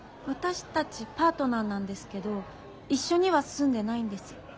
私たちパートナーなんですけど一緒には住んでないんです。